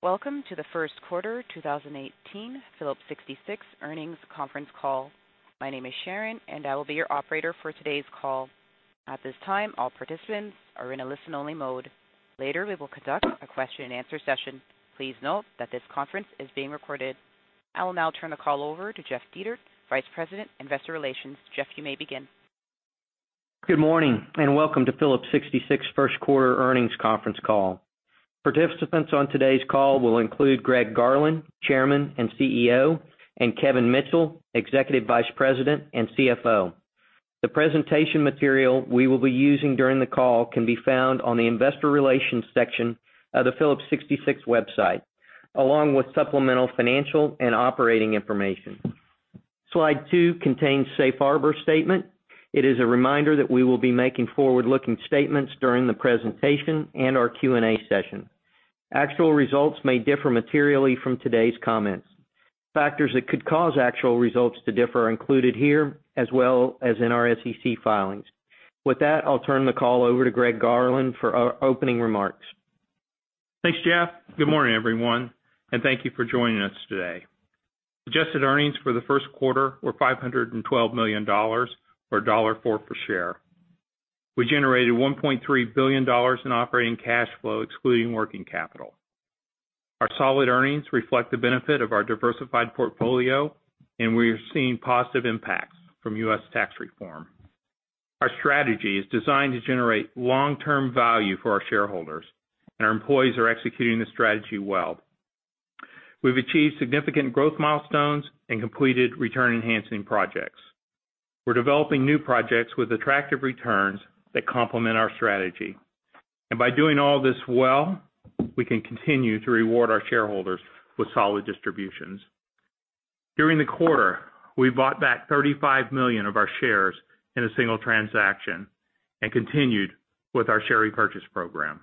Welcome to the first quarter 2018 Phillips 66 earnings conference call. My name is Sharon, and I will be your operator for today's call. At this time, all participants are in a listen-only mode. Later, we will conduct a question and answer session. Please note that this conference is being recorded. I will now turn the call over to Jeff Dietert, Vice President, Investor Relations. Jeff, you may begin. Good morning, and welcome to Phillips 66 first quarter earnings conference call. Participants on today's call will include Greg Garland, Chairman and CEO, and Kevin Mitchell, Executive Vice President and CFO. The presentation material we will be using during the call can be found on the Investor Relations section of the Phillips 66 website, along with supplemental financial and operating information. Slide two contains safe harbor statement. It is a reminder that we will be making forward-looking statements during the presentation and our Q&A session. Actual results may differ materially from today's comments. Factors that could cause actual results to differ are included here, as well as in our SEC filings. With that, I'll turn the call over to Greg Garland for opening remarks. Thanks, Jeff. Good morning, everyone, and thank you for joining us today. Adjusted earnings for the first quarter were $512 million, or $1.04 per share. We generated $1.3 billion in operating cash flow, excluding working capital. Our solid earnings reflect the benefit of our diversified portfolio, and we are seeing positive impacts from U.S. tax reform. Our strategy is designed to generate long-term value for our shareholders, and our employees are executing the strategy well. We've achieved significant growth milestones and completed return-enhancing projects. We're developing new projects with attractive returns that complement our strategy. By doing all this well, we can continue to reward our shareholders with solid distributions. During the quarter, we bought back 35 million of our shares in a single transaction and continued with our share repurchase program.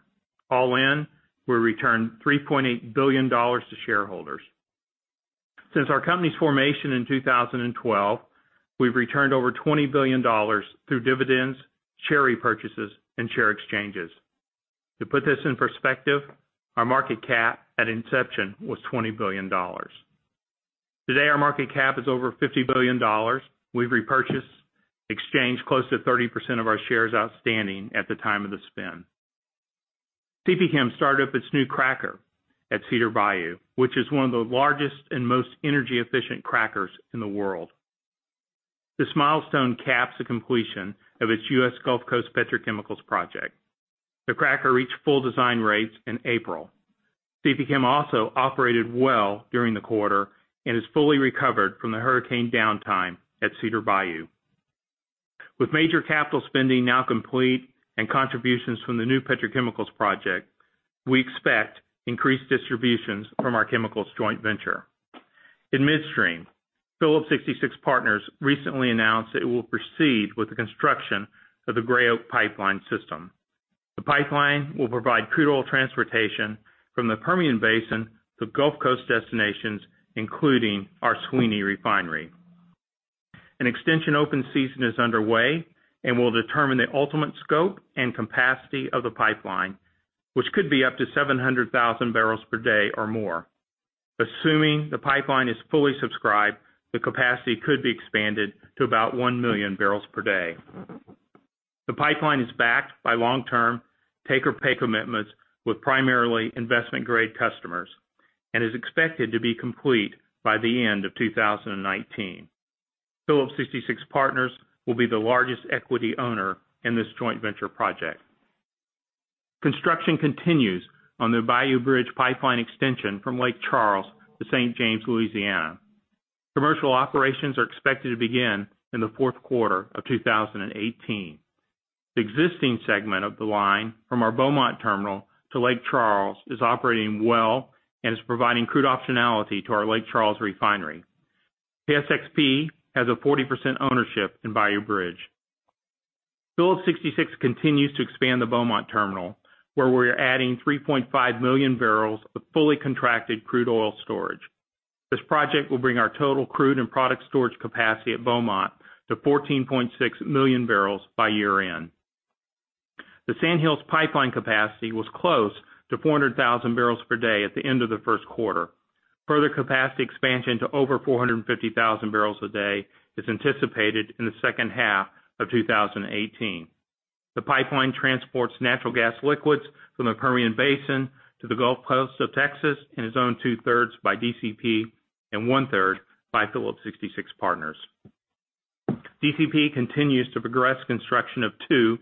All in, we returned $3.8 billion to shareholders. Since our company's formation in 2012, we've returned over $20 billion through dividends, share repurchases, and share exchanges. To put this in perspective, our market cap at inception was $20 billion. Today, our market cap is over $50 billion. We've repurchased, exchanged close to 30% of our shares outstanding at the time of the spin. CPChem started up its new cracker at Cedar Bayou, which is one of the largest and most energy-efficient crackers in the world. This milestone caps the completion of its U.S. Gulf Coast petrochemicals project. The cracker reached full design rates in April. CPChem also operated well during the quarter and has fully recovered from the hurricane downtime at Cedar Bayou. With major capital spending now complete and contributions from the new petrochemicals project, we expect increased distributions from our chemicals joint venture. In midstream, Phillips 66 Partners recently announced that it will proceed with the construction of the Gray Oak Pipeline system. The pipeline will provide crude oil transportation from the Permian Basin to Gulf Coast destinations, including our Sweeny Refinery. An extension open season is underway and will determine the ultimate scope and capacity of the pipeline, which could be up to 700,000 barrels per day or more. Assuming the pipeline is fully subscribed, the capacity could be expanded to about 1 million barrels per day. The pipeline is backed by long-term take-or-pay commitments with primarily investment-grade customers and is expected to be complete by the end of 2019. Phillips 66 Partners will be the largest equity owner in this joint venture project. Construction continues on the Bayou Bridge Pipeline extension from Lake Charles to St. James, Louisiana. Commercial operations are expected to begin in the fourth quarter of 2018. The existing segment of the line from our Beaumont terminal to Lake Charles is operating well and is providing crude optionality to our Lake Charles refinery. PSXP has a 40% ownership in Bayou Bridge. Phillips 66 continues to expand the Beaumont terminal, where we're adding 3.5 million barrels of fully contracted crude oil storage. This project will bring our total crude and product storage capacity at Beaumont to 14.6 million barrels by year-end. The Sand Hills pipeline capacity was close to 400,000 barrels per day at the end of the first quarter. Further capacity expansion to over 450,000 barrels a day is anticipated in the second half of 2018. The pipeline transports natural gas liquids from the Permian Basin to the Gulf Coast of Texas and is owned two-thirds by DCP and one-third by Phillips 66 Partners. DCP continues to progress construction of two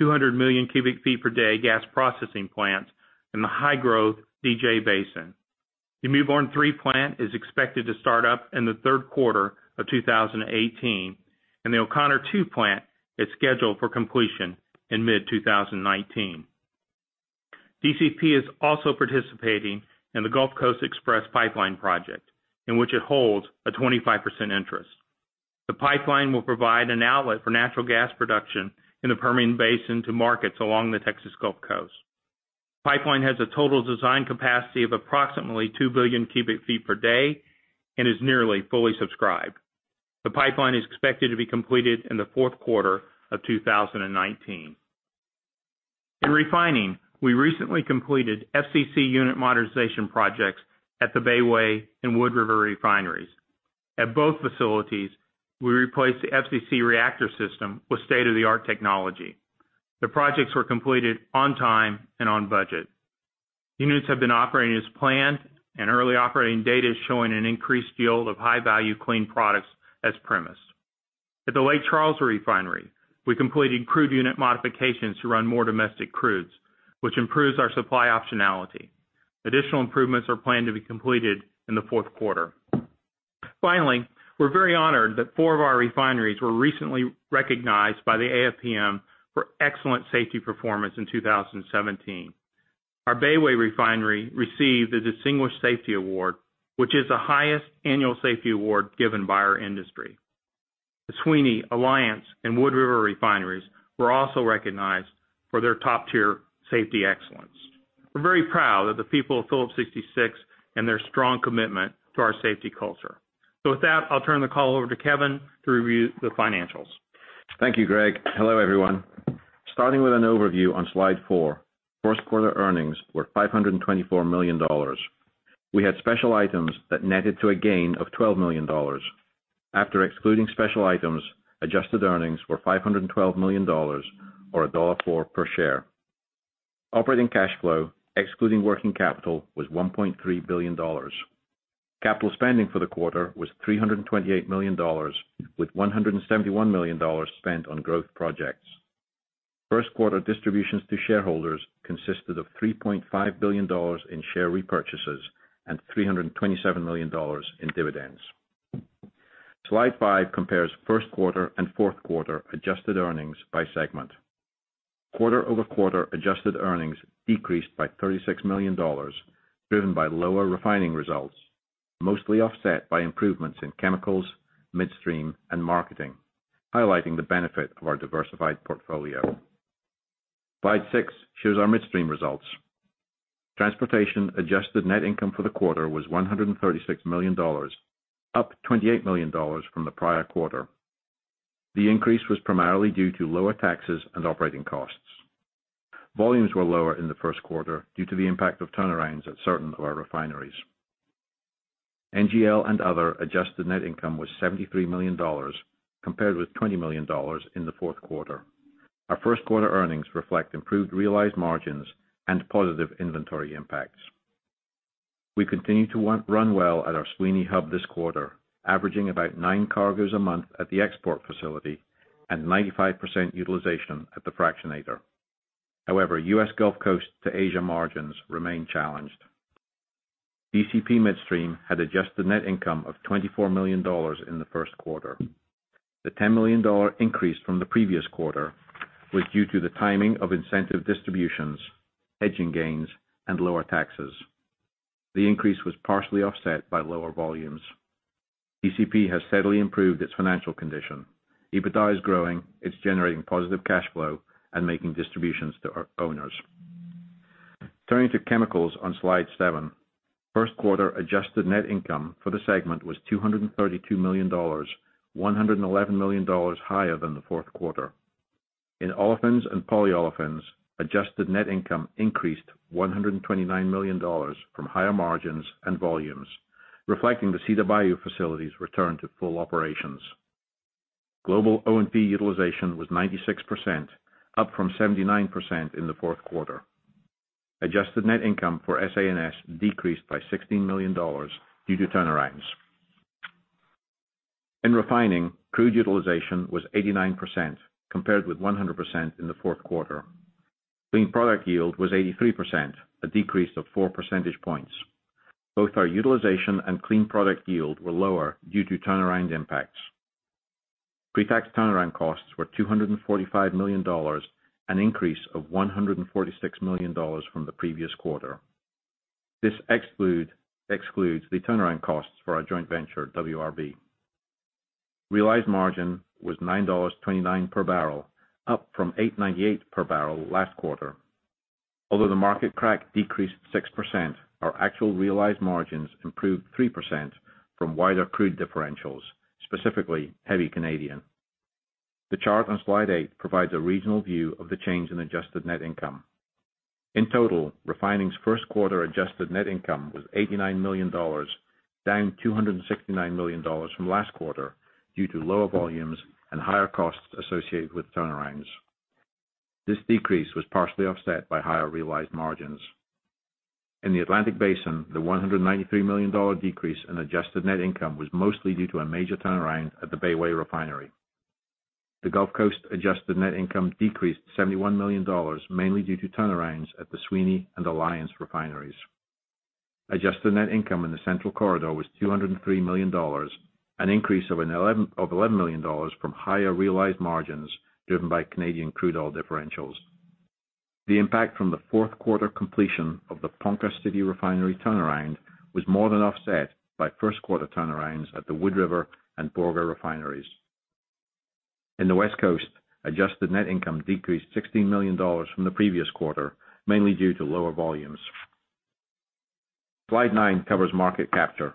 200-million cubic feet per day gas processing plants in the high-growth DJ Basin. The Mewbourn 3 plant is expected to start up in the third quarter of 2018, and the O'Connor 2 plant is scheduled for completion in mid-2019. DCP is also participating in the Gulf Coast Express Pipeline Project, in which it holds a 25% interest. The pipeline will provide an outlet for natural gas production in the Permian Basin to markets along the Texas Gulf Coast. Pipeline has a total design capacity of approximately 2 billion cubic feet per day and is nearly fully subscribed. The pipeline is expected to be completed in the fourth quarter of 2019. In refining, we recently completed FCC unit modernization projects at the Bayway and Wood River refineries. At both facilities, we replaced the FCC reactor system with state-of-the-art technology. The projects were completed on time and on budget. Units have been operating as planned, and early operating data is showing an increased yield of high-value clean products as promised. At the Lake Charles refinery, we completed crude unit modifications to run more domestic crudes, which improves our supply optionality. Additional improvements are planned to be completed in the fourth quarter. Finally, we're very honored that four of our refineries were recently recognized by the AFPM for excellent safety performance in 2017. Our Bayway refinery received the Distinguished Safety Award, which is the highest annual safety award given by our industry. The Sweeny, Alliance, and Wood River refineries were also recognized for their top-tier safety excellence. We're very proud of the people of Phillips 66 and their strong commitment to our safety culture. With that, I'll turn the call over to Kevin to review the financials. Thank you, Greg. Hello, everyone. Starting with an overview on slide four, first quarter earnings were $524 million. We had special items that netted to a gain of $12 million. After excluding special items, adjusted earnings were $512 million, or $1.04 per share. Operating cash flow, excluding working capital, was $1.3 billion. Capital spending for the quarter was $328 million, with $171 million spent on growth projects. First quarter distributions to shareholders consisted of $3.5 billion in share repurchases and $327 million in dividends. Slide five compares first quarter and fourth quarter adjusted earnings by segment. Quarter-over-quarter adjusted earnings decreased by $36 million, driven by lower refining results, mostly offset by improvements in chemicals, midstream, and marketing, highlighting the benefit of our diversified portfolio. Slide six shows our midstream results. Transportation adjusted net income for the quarter was $136 million, up $28 million from the prior quarter. The increase was primarily due to lower taxes and operating costs. Volumes were lower in the first quarter due to the impact of turnarounds at certain of our refineries. NGL and other adjusted net income was $73 million, compared with $20 million in the fourth quarter. Our first quarter earnings reflect improved realized margins and positive inventory impacts. We continue to run well at our Sweeny hub this quarter, averaging about nine cargoes a month at the export facility and 95% utilization at the fractionator. However, U.S. Gulf Coast to Asia margins remain challenged. DCP Midstream had adjusted net income of $24 million in the first quarter. The $10 million increase from the previous quarter was due to the timing of incentive distributions, hedging gains, and lower taxes. The increase was partially offset by lower volumes. DCP has steadily improved its financial condition. EBITDA is growing, it's generating positive cash flow, and making distributions to owners. Turning to chemicals on slide seven. First quarter adjusted net income for the segment was $232 million, $111 million higher than the fourth quarter. In olefins and polyolefins, adjusted net income increased $129 million from higher margins and volumes, reflecting the Cedar Bayou facility's return to full operations. Global OMP utilization was 96%, up from 79% in the fourth quarter. Adjusted net income for S&S decreased by $16 million due to turnarounds. In refining, crude utilization was 89%, compared with 100% in the fourth quarter. Clean product yield was 83%, a decrease of four percentage points. Both our utilization and clean product yield were lower due to turnaround impacts. Pre-tax turnaround costs were $245 million, an increase of $146 million from the previous quarter. This excludes the turnaround costs for our joint venture, WRB. Realized margin was $9.29 per barrel, up from $8.98 per barrel last quarter. Although the market crack decreased 6%, our actual realized margins improved 3% from wider crude differentials, specifically heavy Canadian. The chart on slide eight provides a regional view of the change in adjusted net income. In total, refining's first quarter adjusted net income was $89 million, down $269 million from last quarter due to lower volumes and higher costs associated with turnarounds. This decrease was partially offset by higher realized margins. In the Atlantic Basin, the $193 million decrease in adjusted net income was mostly due to a major turnaround at the Bayway Refinery. The Gulf Coast adjusted net income decreased $71 million, mainly due to turnarounds at the Sweeny and Alliance refineries. Adjusted net income in the Central Corridor was $203 million, an increase of $11 million from higher realized margins driven by Canadian crude oil differentials. The impact from the fourth quarter completion of the Ponca City Refinery turnaround was more than offset by first quarter turnarounds at the Wood River and Borger refineries. In the West Coast, adjusted net income decreased $16 million from the previous quarter, mainly due to lower volumes. Slide nine covers market capture.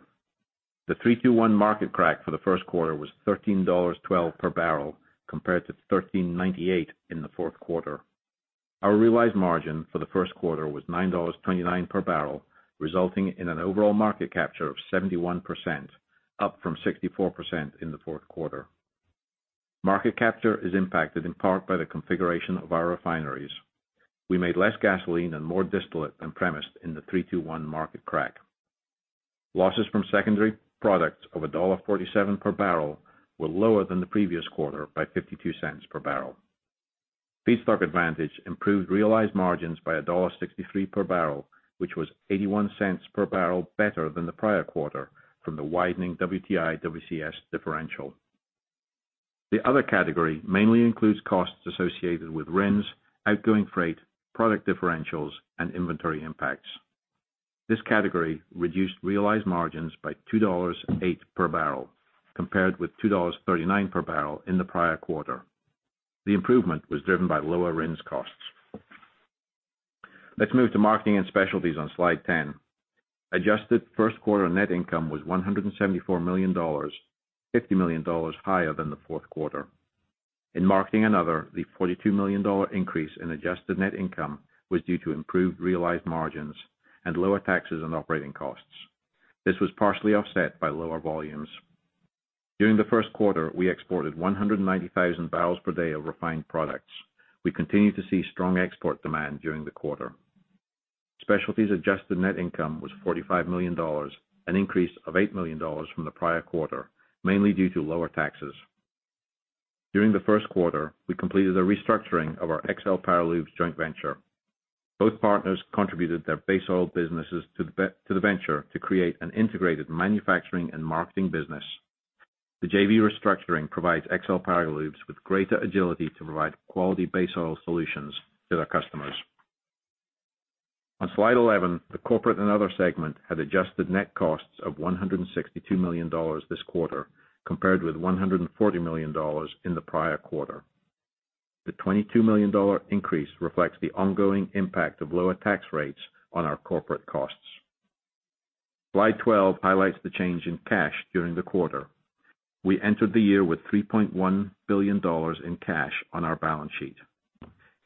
The 3-2-1 market crack for the first quarter was $13.12 per barrel, compared to $13.98 in the fourth quarter. Our realized margin for the first quarter was $9.29 per barrel, resulting in an overall market capture of 71%, up from 64% in the fourth quarter. Market capture is impacted in part by the configuration of our refineries. We made less gasoline and more distillate than premised in the 3-2-1 market crack. Losses from secondary products of $1.47 per barrel were lower than the previous quarter by $0.52 per barrel. Feedstock advantage improved realized margins by $1.63 per barrel, which was $0.81 per barrel better than the prior quarter from the widening WTI/WCS differential. The other category mainly includes costs associated with RINs, outgoing freight, product differentials, and inventory impacts. This category reduced realized margins by $2.08 per barrel, compared with $2.39 per barrel in the prior quarter. The improvement was driven by lower RINs costs. Let's move to marketing and specialties on slide 10. Adjusted first quarter net income was $174 million, $50 million higher than the fourth quarter. In marketing and other, the $42 million increase in adjusted net income was due to improved realized margins and lower taxes and operating costs. This was partially offset by lower volumes. During the first quarter, we exported 190,000 barrels per day of refined products. We continued to see strong export demand during the quarter. Specialties adjusted net income was $45 million, an increase of $8 million from the prior quarter, mainly due to lower taxes. During the first quarter, we completed a restructuring of our Excel Paralubes joint venture. Both partners contributed their base oil businesses to the venture to create an integrated manufacturing and marketing business. The JV restructuring provides Excel Paralubes with greater agility to provide quality base oil solutions to their customers. On slide 11, the corporate and other segment had adjusted net costs of $162 million this quarter, compared with $140 million in the prior quarter. The $22 million increase reflects the ongoing impact of lower tax rates on our corporate costs. Slide 12 highlights the change in cash during the quarter. We entered the year with $3.1 billion in cash on our balance sheet.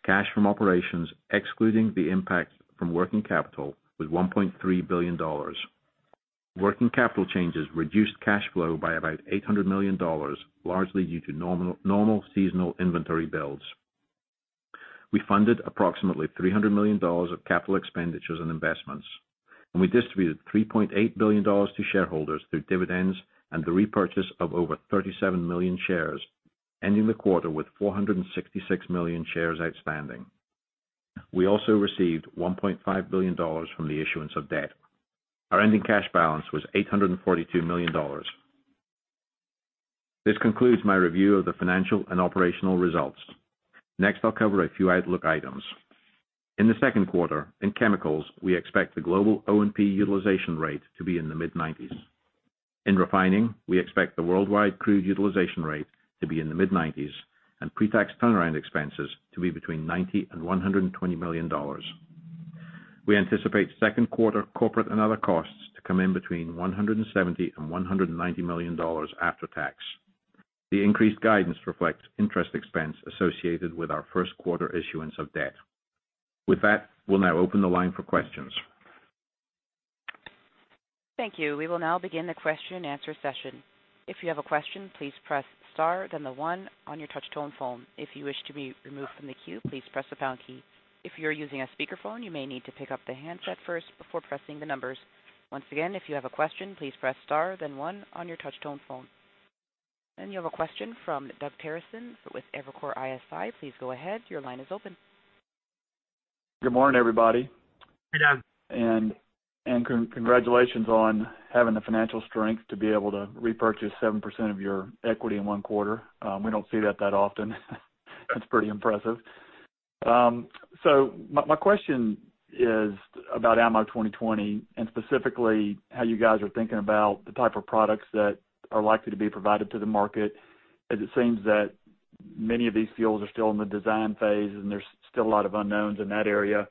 Cash from operations, excluding the impact from working capital, was $1.3 billion. Working capital changes reduced cash flow by about $800 million, largely due to normal seasonal inventory builds. We funded approximately $300 million of capital expenditures and investments, and we distributed $3.8 billion to shareholders through dividends and the repurchase of over 37 million shares, ending the quarter with 466 million shares outstanding. We also received $1.5 billion from the issuance of debt. Our ending cash balance was $842 million. This concludes my review of the financial and operational results. Next, I'll cover a few outlook items. In the second quarter, in chemicals, we expect the global O&P utilization rate to be in the mid-90s. In refining, we expect the worldwide crude utilization rate to be in the mid-90s and pre-tax turnaround expenses to be between $90 million and $120 million. We anticipate second quarter corporate and other costs to come in between $170 million and $190 million after tax. The increased guidance reflects interest expense associated with our first quarter issuance of debt. We'll now open the line for questions. Thank you. We will now begin the question and answer session. If you have a question, please press star then the one on your touch-tone phone. If you wish to be removed from the queue, please press the pound key. If you're using a speakerphone, you may need to pick up the handset first before pressing the numbers. Once again, if you have a question, please press star then one on your touch-tone phone. You have a question from Doug Terreson with Evercore ISI. Please go ahead. Your line is open. Good morning, everybody. Hey, Doug. Congratulations on having the financial strength to be able to repurchase 7% of your equity in one quarter. We don't see that that often. That's pretty impressive. My question is about IMO 2020 and specifically how you guys are thinking about the type of products that are likely to be provided to the market, as it seems that many of these fuels are still in the design phase, and there's still a lot of unknowns in that area.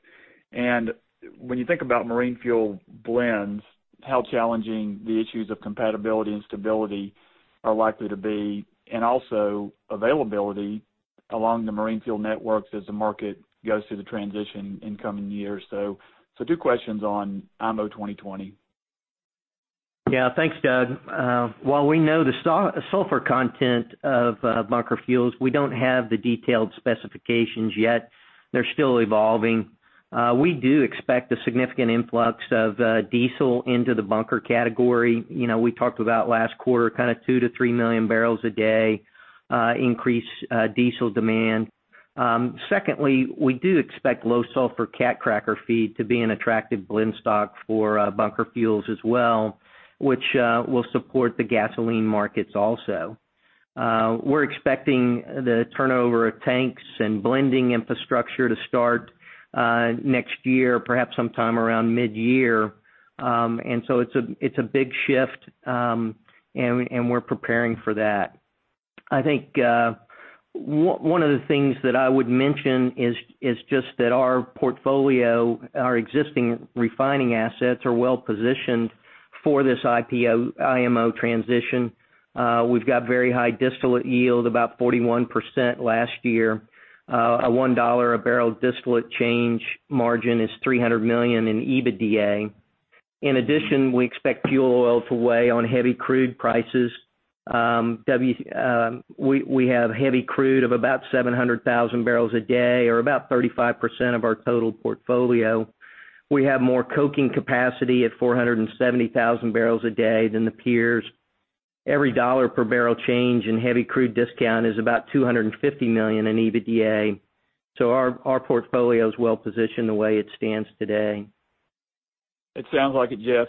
When you think about marine fuel blends, how challenging the issues of compatibility and stability are likely to be, and also availability along the marine fuel networks as the market goes through the transition in coming years. Two questions on IMO 2020. Yeah. Thanks, Doug. While we know the sulfur content of bunker fuels, we don't have the detailed specifications yet. They're still evolving. We do expect a significant influx of diesel into the bunker category. We talked about last quarter, kind of 2 million-3 million barrels a day increase diesel demand. Secondly, we do expect low sulfur cat cracker feed to be an attractive blend stock for bunker fuels as well, which will support the gasoline markets also. We're expecting the turnover of tanks and blending infrastructure to start next year, perhaps sometime around mid-year. It's a big shift, and we're preparing for that. I think one of the things that I would mention is just that our portfolio, our existing refining assets are well positioned for this IMO transition. We've got very high distillate yield, about 41% last year. A $1 a barrel distillate change margin is $300 million in EBITDA. In addition, we expect fuel oil to weigh on heavy crude prices. We have heavy crude of about 700,000 barrels a day or about 35% of our total portfolio. We have more coking capacity at 470,000 barrels a day than the peers. Every dollar per barrel change in heavy crude discount is about $250 million in EBITDA. Our portfolio is well positioned the way it stands today. It sounds like it, Jeff.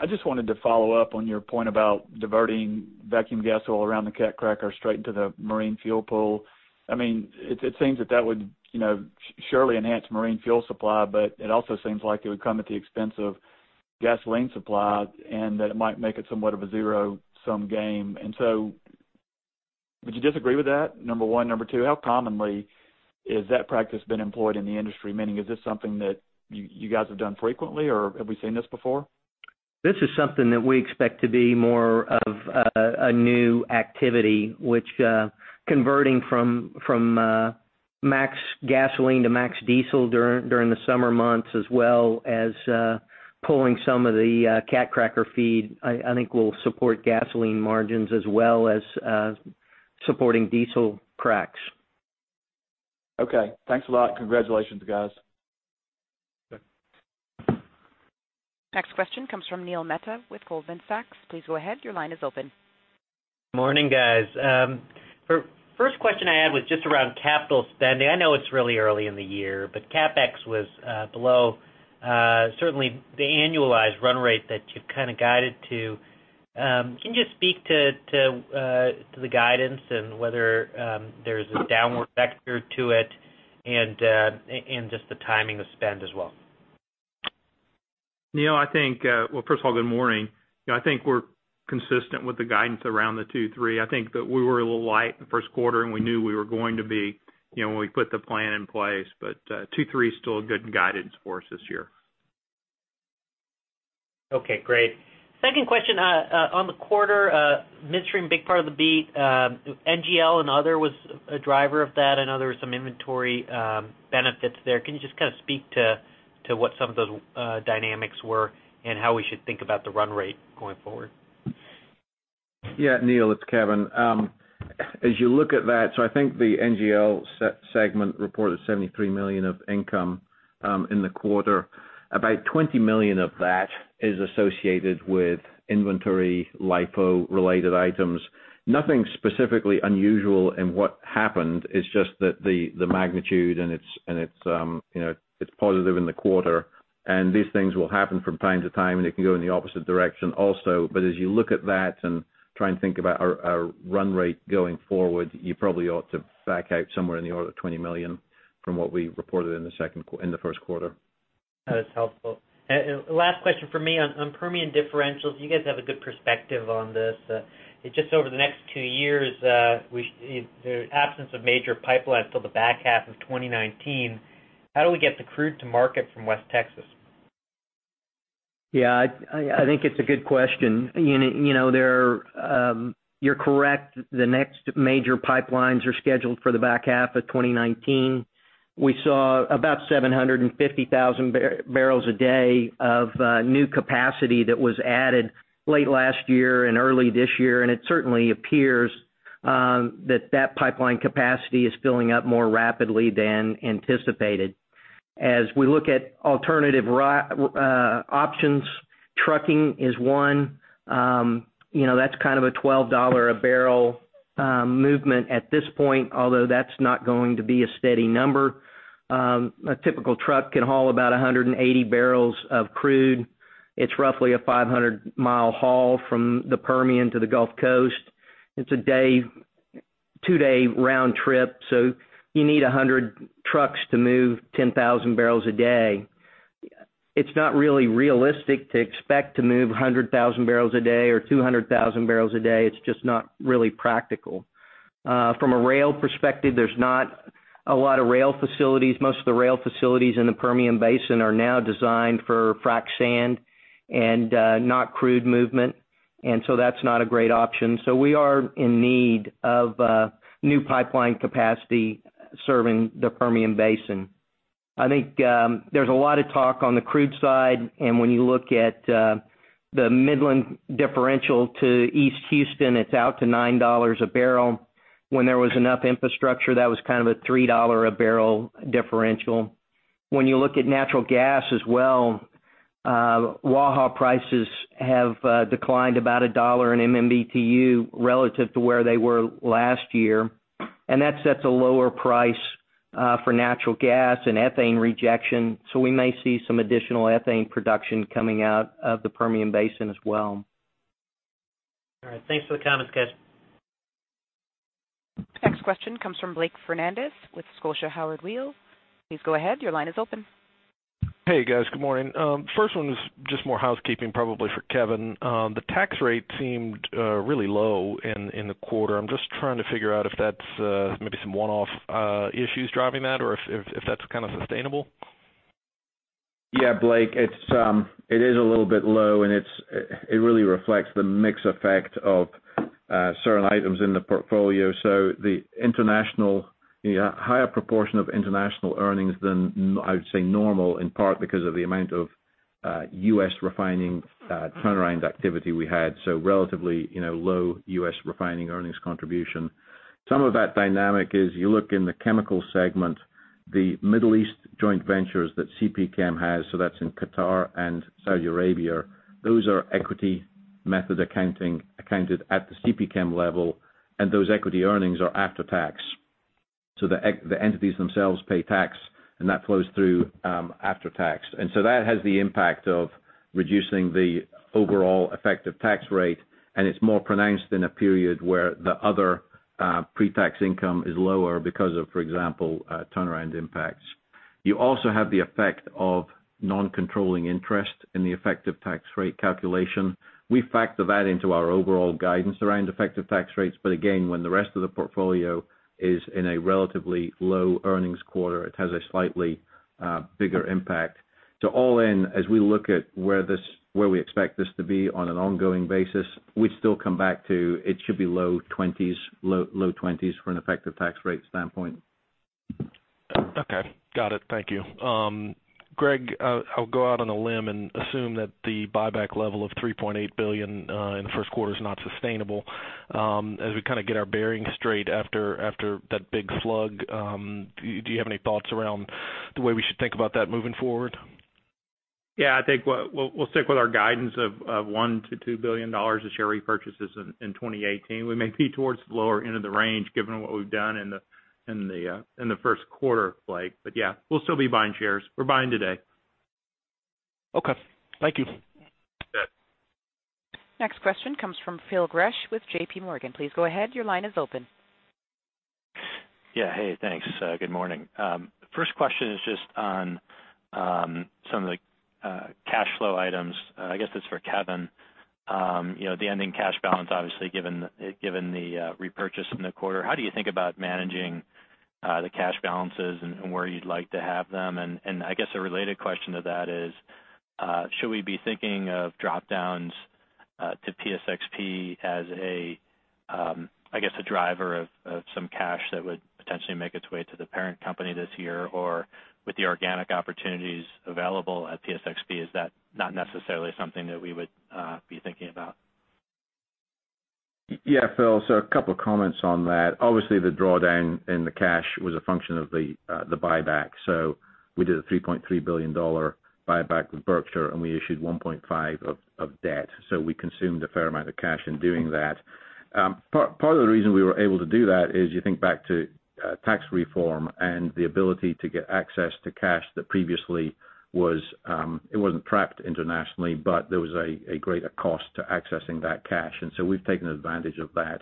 I just wanted to follow up on your point about diverting vacuum gas oil around the cat cracker straight into the marine fuel pool. It seems that that would surely enhance marine fuel supply, but it also seems like it would come at the expense of gasoline supply and that it might make it somewhat of a zero-sum game. Would you disagree with that, number one? Number two, how commonly is that practice been employed in the industry? Meaning, is this something that you guys have done frequently, or have we seen this before? This is something that we expect to be more of a new activity, which converting from max gasoline to max diesel during the summer months as well as pulling some of the cat cracker feed, I think will support gasoline margins as well as supporting diesel cracks. Okay. Thanks a lot. Congratulations, guys. Next question comes from Neil Mehta with Goldman Sachs. Please go ahead. Your line is open. Morning, guys. First question I had was just around capital spending. I know it's really early in the year, CapEx was below certainly the annualized run rate that you've kind of guided to. Can you just speak to the guidance and whether there's a downward vector to it and just the timing of spend as well? Neil, first of all, good morning. I think we're consistent with the guidance around the 2, 3. I think that we were a little light in the first quarter, and we knew we were going to be when we put the plan in place. 2, 3 is still a good guidance for us this year. Okay, great. Second question, on the quarter, midstream, big part of the beat. NGL and other was a driver of that. I know there were some inventory benefits there. Can you just kind of speak to what some of those dynamics were and how we should think about the run rate going forward? Yeah, Neil, it's Kevin. As you look at that, I think the NGL segment reported $73 million of income in the quarter. About $20 million of that is associated with inventory LIFO-related items. Nothing specifically unusual in what happened. It's just that the magnitude, and it's positive in the quarter, and these things will happen from time to time, and it can go in the opposite direction also. As you look at that and try and think about our run rate going forward, you probably ought to back out somewhere in the order of $20 million from what we reported in the first quarter. That is helpful. Last question from me on Permian differentials, you guys have a good perspective on this. Just over the next two years, the absence of major pipelines till the back half of 2019, how do we get the crude to market from West Texas? Yeah, I think it's a good question. You're correct. The next major pipelines are scheduled for the back half of 2019. We saw about 750,000 barrels a day of new capacity that was added late last year and early this year, and it certainly appears that that pipeline capacity is filling up more rapidly than anticipated. As we look at alternative options, trucking is one. That's kind of a $12 a barrel movement at this point, although that's not going to be a steady number. A typical truck can haul about 180 barrels of crude. It's roughly a 500-mile haul from the Permian to the Gulf Coast. It's a two-day round trip, so you need 100 trucks to move 10,000 barrels a day. It's not really realistic to expect to move 100,000 barrels a day or 200,000 barrels a day. It's just not really practical. From a rail perspective, there's not a lot of rail facilities. Most of the rail facilities in the Permian Basin are now designed for frack sand and not crude movement. That's not a great option. We are in need of new pipeline capacity serving the Permian Basin. I think there's a lot of talk on the crude side, and when you look at the Midland differential to East Houston, it's out to $9 a barrel. When there was enough infrastructure, that was kind of a $3 a barrel differential. When you look at natural gas as well, Waha prices have declined about a dollar in MMBtu relative to where they were last year. That sets a lower price for natural gas and ethane rejection. We may see some additional ethane production coming out of the Permian Basin as well. All right. Thanks for the comments, guys. Next question comes from Blake Fernandez with Scotia Howard Weil. Please go ahead. Your line is open. Hey guys, good morning. First one is just more housekeeping, probably for Kevin. The tax rate seemed really low in the quarter. I'm just trying to figure out if that's maybe some one-off issues driving that or if that's sustainable. Blake, it is a little bit low, and it really reflects the mix effect of certain items in the portfolio. The higher proportion of international earnings than I would say normal, in part because of the amount of U.S. refining turnaround activity we had, so relatively low U.S. refining earnings contribution. Some of that dynamic is you look in the chemical segment, the Middle East joint ventures that CPChem has, so that's in Qatar and Saudi Arabia. Those are equity method accounting accounted at the CPChem level, and those equity earnings are after tax. The entities themselves pay tax, and that flows through after tax. That has the impact of reducing the overall effective tax rate, and it's more pronounced in a period where the other pre-tax income is lower because of, for example, turnaround impacts. You also have the effect of non-controlling interest in the effective tax rate calculation. We factor that into our overall guidance around effective tax rates. Again, when the rest of the portfolio is in a relatively low earnings quarter, it has a slightly bigger impact. All in, as we look at where we expect this to be on an ongoing basis, we'd still come back to it should be low twenties for an effective tax rate standpoint. Okay. Got it. Thank you. Greg, I'll go out on a limb and assume that the buyback level of $3.8 billion in the first quarter is not sustainable. As we get our bearings straight after that big slug, do you have any thoughts around the way we should think about that moving forward? I think we'll stick with our guidance of $1 billion to $2 billion of share repurchases in 2018. We may be towards the lower end of the range given what we've done in the first quarter, Blake. Yeah, we'll still be buying shares. We're buying today. Okay. Thank you. You bet. Next question comes from Phil Gresh with JPMorgan. Please go ahead. Your line is open. Yeah. Hey, thanks. Good morning. First question is just on some of the cash flow items. I guess it's for Kevin. The ending cash balance, obviously, given the repurchase in the quarter, how do you think about managing the cash balances and where you'd like to have them? I guess a related question to that is, should we be thinking of drop-downs to PSXP as, I guess, a driver of some cash that would potentially make its way to the parent company this year? With the organic opportunities available at PSXP, is that not necessarily something that we would be thinking about? Yeah, Phil, a couple of comments on that. Obviously, the drawdown in the cash was a function of the buyback. We did a $3.3 billion buyback with Berkshire, and we issued $1.5 billion of debt. We consumed a fair amount of cash in doing that. Part of the reason we were able to do that is you think back to tax reform and the ability to get access to cash that previously it wasn't trapped internationally, but there was a greater cost to accessing that cash. We've taken advantage of that.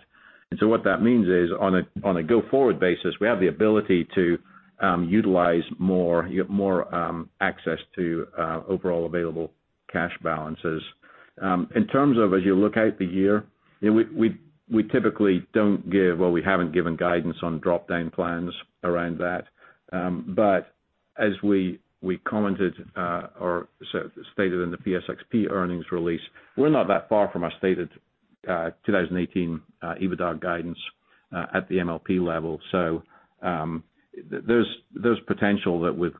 What that means is on a go-forward basis, we have the ability to utilize more access to overall available cash balances. In terms of as you look out the year, we typically don't give, well, we haven't given guidance on drop-down plans around that. As we commented or stated in the PSXP earnings release, we're not that far from our stated 2018 EBITDA guidance at the MLP level. There's potential that with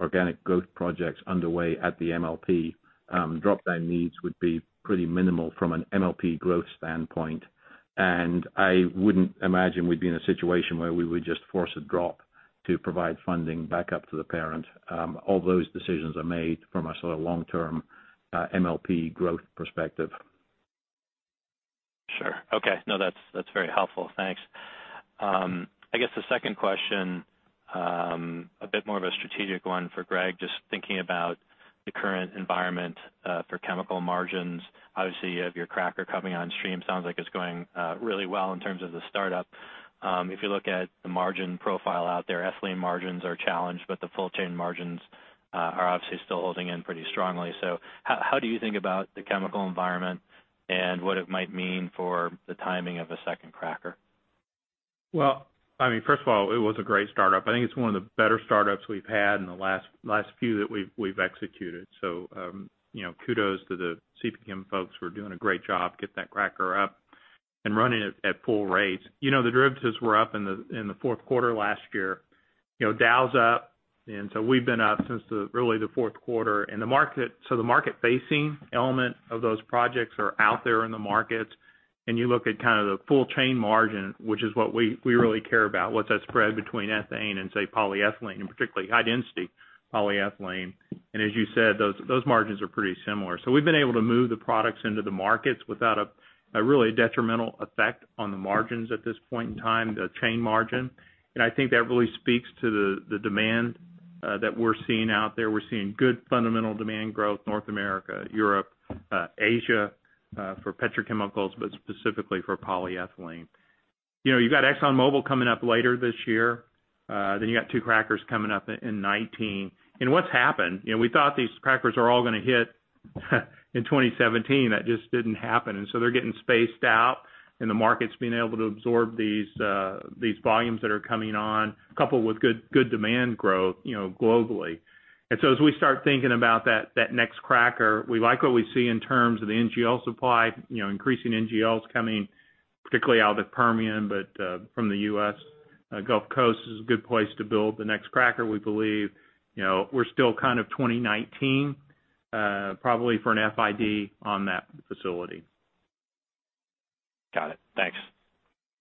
organic growth projects underway at the MLP, drop-down needs would be pretty minimal from an MLP growth standpoint. I wouldn't imagine we'd be in a situation where we would just force a drop to provide funding back up to the parent. All those decisions are made from a sort of long-term MLP growth perspective. Sure. Okay. No, that's very helpful. Thanks. I guess the second question, a bit more of a strategic one for Greg, just thinking about the current environment for chemical margins. Obviously, you have your cracker coming on stream. Sounds like it's going really well in terms of the startup. If you look at the margin profile out there, ethylene margins are challenged, but the full chain margins are obviously still holding in pretty strongly. How do you think about the chemical environment and what it might mean for the timing of a second cracker? Well, first of all, it was a great startup. I think it's one of the better startups we've had in the last few that we've executed. Kudos to the CPChem folks for doing a great job, get that cracker up and running at full rates. The derivatives were up in the fourth quarter last year. Dow's up, and we've been up since really the fourth quarter. The market-facing element of those projects are out there in the markets. You look at kind of the full chain margin, which is what we really care about. What's that spread between ethane and, say, polyethylene, and particularly high-density polyethylene. As you said, those margins are pretty similar. We've been able to move the products into the markets without really a detrimental effect on the margins at this point in time, the chain margin. I think that really speaks to the demand that we're seeing out there. We're seeing good fundamental demand growth, North America, Europe, Asia, for petrochemicals, but specifically for polyethylene. You've got ExxonMobil coming up later this year, then you've got two crackers coming up in 2019. What's happened, we thought these crackers are all going to hit in 2017. That just didn't happen. They're getting spaced out, and the market's been able to absorb these volumes that are coming on, coupled with good demand growth globally. As we start thinking about that next cracker, we like what we see in terms of the NGL supply. Increasing NGLs coming, particularly out of the Permian, but from the U.S. Gulf Coast is a good place to build the next cracker, we believe. We're still kind of 2019, probably for an FID on that facility. Got it. Thanks.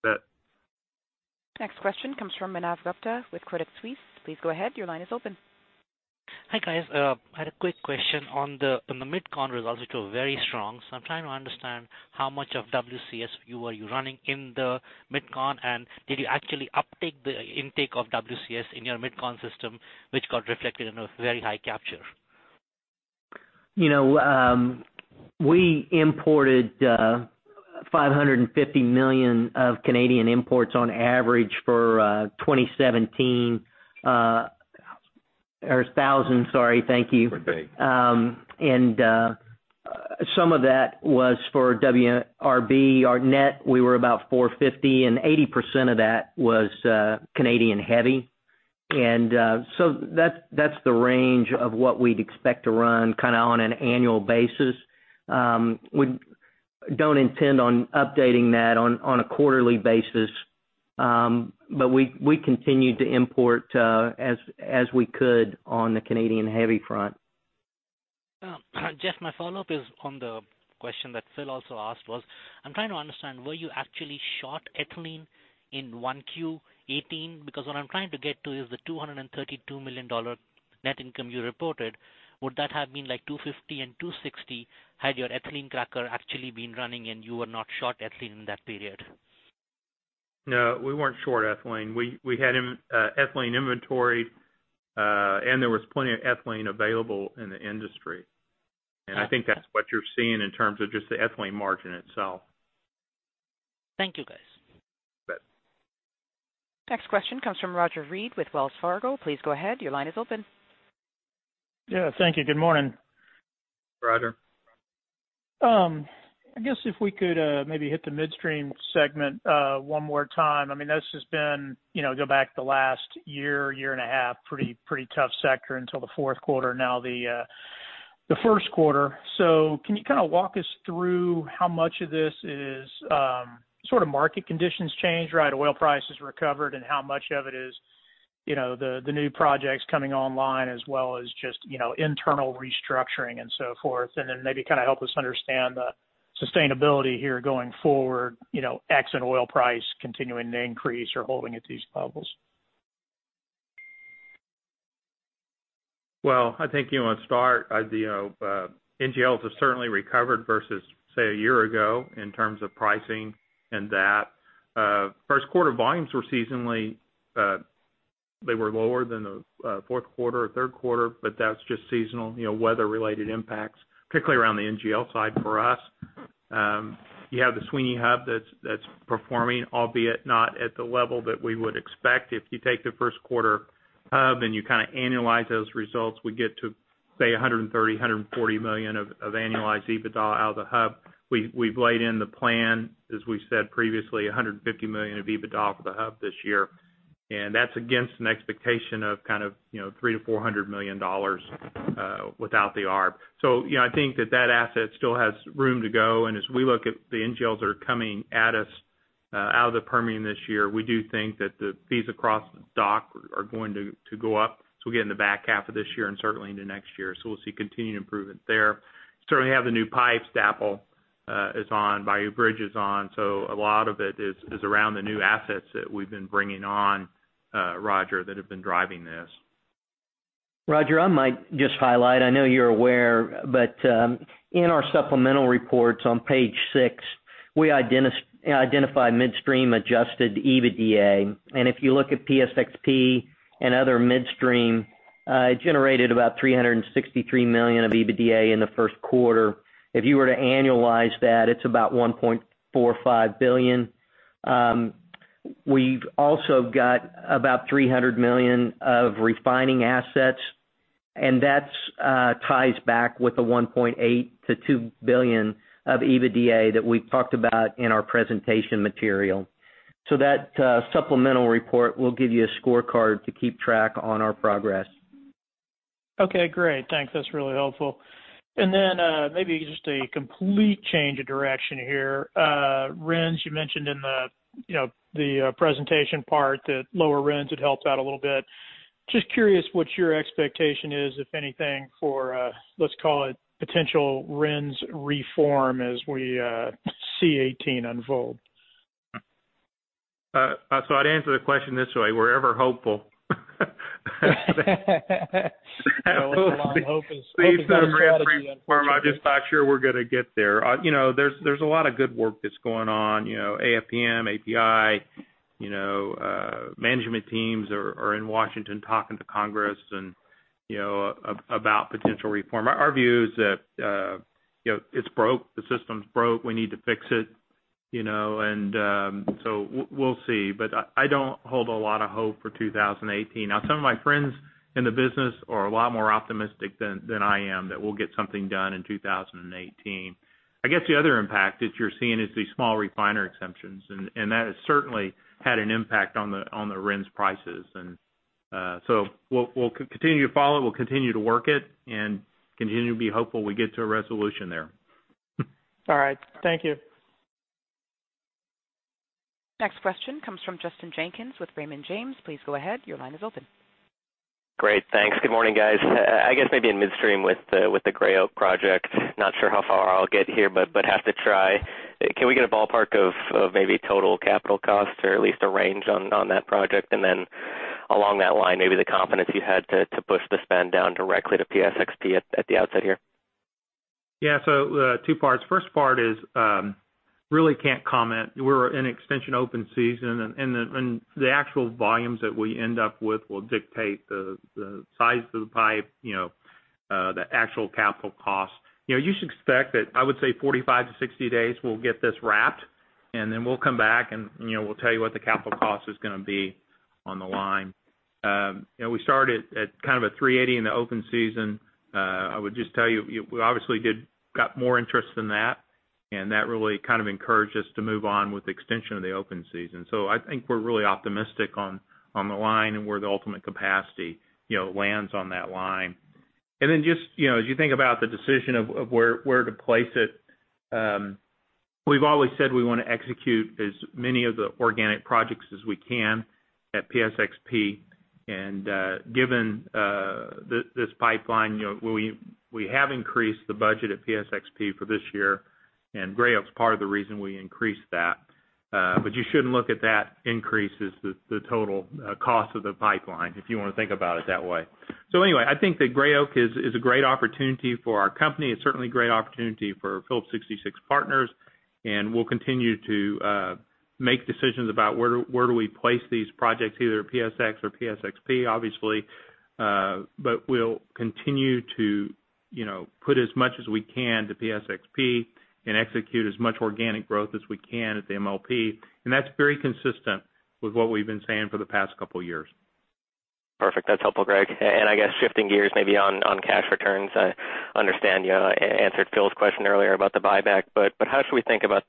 You bet. Next question comes from Manav Gupta with Credit Suisse. Please go ahead. Your line is open. Hi, guys. I had a quick question on the MidCon results, which were very strong. I'm trying to understand how much of WCS you are running in the MidCon, and did you actually uptick the intake of WCS in your MidCon system, which got reflected in a very high capture? We imported $550 million of Canadian imports on average for 2017. Or thousand, sorry. Thank you. Per day. Some of that was for WRB. Our net, we were about 450, and 80% of that was Canadian heavy. That's the range of what we'd expect to run on an annual basis. We don't intend on updating that on a quarterly basis. We continued to import as we could on the Canadian heavy front. Jeff, my follow-up is on the question that Phil also asked was, I'm trying to understand, were you actually short ethylene in 1Q 2018? What I'm trying to get to is the $232 million net income you reported. Would that have been like $250 million and $260 million had your ethylene cracker actually been running and you were not short ethylene in that period? No, we weren't short ethylene. We had ethylene inventory, and there was plenty of ethylene available in the industry. I think that's what you're seeing in terms of just the ethylene margin itself. Thank you, guys. You bet. Next question comes from Roger Read with Wells Fargo. Please go ahead. Your line is open. Yeah, thank you. Good morning. Roger. I guess if we could maybe hit the midstream segment one more time. This has been, go back the last year and a half, pretty tough sector until the fourth quarter. Now the first quarter. Can you kind of walk us through how much of this is sort of market conditions change, right? Oil prices recovered, how much of it is the new projects coming online as well as just internal restructuring and so forth? Maybe kind of help us understand the sustainability here going forward, ex an oil price continuing to increase or holding at these levels. Well, I think, to start, NGLs have certainly recovered versus, say, a year ago in terms of pricing and that. First quarter volumes were seasonally-- they were lower than the fourth quarter or third quarter, but that's just seasonal, weather-related impacts, particularly around the NGL side for us. You have the Sweeny hub that's performing, albeit not at the level that we would expect. If you take the first quarter hub and you annualize those results, we get to, say, $130 million-$140 million of annualized EBITDA out of the hub. We've laid in the plan, as we said previously, $150 million of EBITDA for the hub this year. That's against an expectation of $300 million to $400 million without the ARB. I think that asset still has room to go. As we look at the NGLs that are coming at us out of the Permian this year, we do think that the fees across the dock are going to go up as we get in the back half of this year and certainly into next year. We'll see continued improvement there. Certainly have the new pipes. DAPL is on. Bayou Bridge is on. A lot of it is around the new assets that we've been bringing on, Roger, that have been driving this. Roger, I might just highlight, I know you're aware, but in our supplemental reports on page six, we identify midstream adjusted EBITDA. If you look at PSXP and other midstream, it generated about $363 million of EBITDA in the first quarter. If you were to annualize that, it's about $1.45 billion. We've also got about $300 million of refining assets, and that ties back with the $1.8 billion to $2 billion of EBITDA that we talked about in our presentation material. That supplemental report will give you a scorecard to keep track on our progress. Okay, great. Thanks. That's really helpful. Then maybe just a complete change of direction here. RINs, you mentioned in the presentation part that lower RINs had helped out a little bit. Just curious what your expectation is, if anything, for let's call it potential RINs reform as we see 2018 unfold. I'd answer the question this way. We're ever hopeful. Hope is not a strategy. I'm just not sure we're going to get there. There's a lot of good work that's going on, AFPM, API Management teams are in Washington talking to Congress about potential reform. Our view is that it's broke, the system's broke, we need to fix it. We'll see. I don't hold a lot of hope for 2018. Some of my friends in the business are a lot more optimistic than I am that we'll get something done in 2018. I guess the other impact that you're seeing is the small refiner exemptions, and that has certainly had an impact on the RINs prices. We'll continue to follow it, we'll continue to work it, and continue to be hopeful we get to a resolution there. All right. Thank you. Next question comes from Justin Jenkins with Raymond James. Please go ahead. Your line is open. Great. Thanks. Good morning, guys. I guess maybe in midstream with the Gray Oak project. Not sure how far I'll get here, but have to try. Can we get a ballpark of maybe total capital cost or at least a range on that project? Then along that line, maybe the confidence you had to push the spend down directly to PSXP at the outset here. Yeah. Two parts. First part is, really can't comment. We're in extension open season, and the actual volumes that we end up with will dictate the size of the pipe, the actual capital cost. You should expect that, I would say 45-60 days we'll get this wrapped, then we'll come back and we'll tell you what the capital cost is going to be on the line. We started at kind of a 380 in the open season. I would just tell you, we obviously got more interest than that, and that really kind of encouraged us to move on with the extension of the open season. I think we're really optimistic on the line and where the ultimate capacity lands on that line. Then just as you think about the decision of where to place it, we've always said we want to execute as many of the organic projects as we can at PSXP. Given this pipeline, we have increased the budget at PSXP for this year, and Gray Oak's part of the reason we increased that. You shouldn't look at that increase as the total cost of the pipeline, if you want to think about it that way. Anyway, I think that Gray Oak is a great opportunity for our company. It's certainly a great opportunity for Phillips 66 Partners, and we'll continue to make decisions about where do we place these projects, either at PSX or PSXP, obviously. We'll continue to put as much as we can to PSXP and execute as much organic growth as we can at the MLP. That's very consistent with what we've been saying for the past couple of years. Perfect. That's helpful, Greg. I guess shifting gears maybe on cash returns. I understand you answered Phil's question earlier about the buyback, how should we think about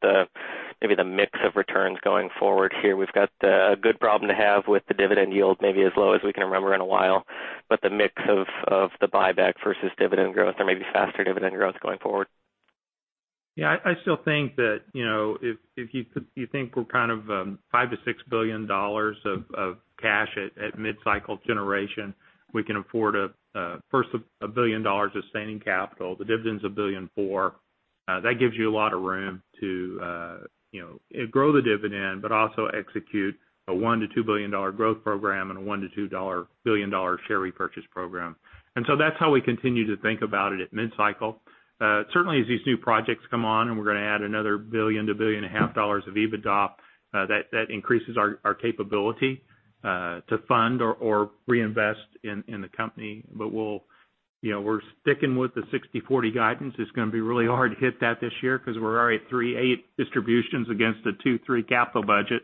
maybe the mix of returns going forward here? We've got a good problem to have with the dividend yield, maybe as low as we can remember in a while, the mix of the buyback versus dividend growth or maybe faster dividend growth going forward. Yeah, I still think that if you think we're kind of $5 billion-$6 billion of cash at mid-cycle generation, we can afford first $1 billion of sustaining capital. The dividend's $1.4 billion. That gives you a lot of room to grow the dividend, also execute a $1 billion-$2 billion growth program and a $1 billion-$2 billion share repurchase program. That's how we continue to think about it at mid-cycle. Certainly, as these new projects come on and we're going to add another $1 billion-$1.5 billion of EBITDA, that increases our capability to fund or reinvest in the company. We're sticking with the 60/40 guidance. It's going to be really hard to hit that this year because we're already at three eight distributions against a two three capital budget,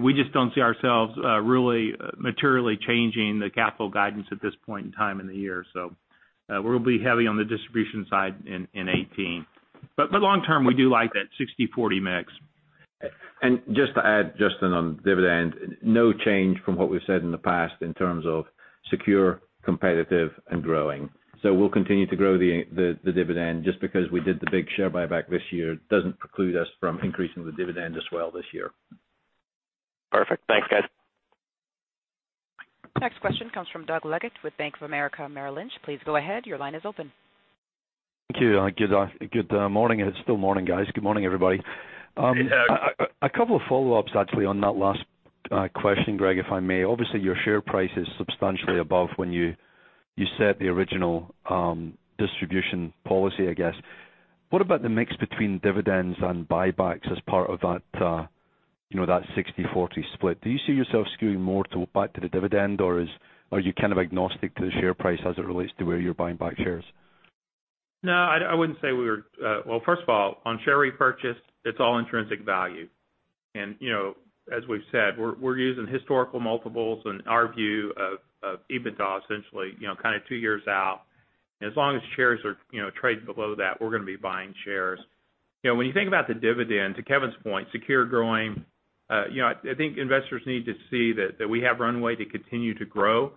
we just don't see ourselves really materially changing the capital guidance at this point in time in the year. We'll be heavy on the distribution side in 2018. Long term, we do like that 60/40 mix. Just to add, Justin, on dividend, no change from what we've said in the past in terms of secure, competitive, and growing. We'll continue to grow the dividend. Just because we did the big share buyback this year doesn't preclude us from increasing the dividend as well this year. Perfect. Thanks, guys. Next question comes from Douglas Leggate with Bank of America Merrill Lynch. Please go ahead. Your line is open. Thank you. Good morning. It's still morning, guys. Good morning, everybody. Hey, Doug. A couple of follow-ups actually on that last question, Greg, if I may. Obviously, your share price is substantially above when you set the original distribution policy, I guess. What about the mix between dividends and buybacks as part of that 60/40 split? Do you see yourself skewing more back to the dividend, or are you kind of agnostic to the share price as it relates to where you're buying back shares? I wouldn't say, well, first of all, on share repurchase, it's all intrinsic value. As we've said, we're using historical multiples and our view of EBITDA essentially kind of two years out. As long as shares are trading below that, we're going to be buying shares. When you think about the dividend, to Kevin's point, secure growing, I think investors need to see that we have runway to continue to grow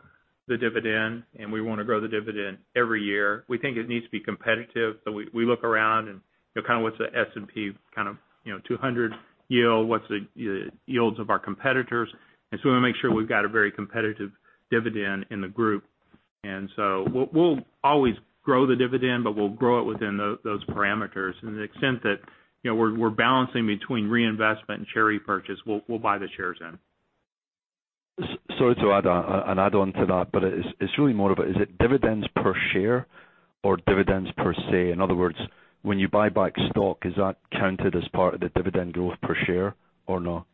the dividend, and we want to grow the dividend every year. We think it needs to be competitive. We look around and kind of what's the S&P 500 yield? What's the yields of our competitors? We want to make sure we've got a very competitive dividend in the group. We'll always grow the dividend, but we'll grow it within those parameters. To the extent that we're balancing between reinvestment and share repurchase, we'll buy the shares in. Sorry to add on to that, it's really more of a, is it dividends per share or dividends per se? In other words, when you buy back stock, is that counted as part of the dividend growth per share or not?